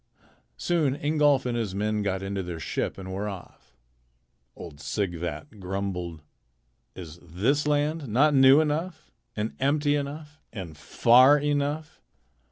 Soon Ingolf and his men got into their ship and were off. Old Sighvat grumbled. "Is this land not new enough and empty enough and far enough?